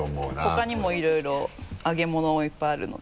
他にもいろいろ揚げ物もいっぱいあるので。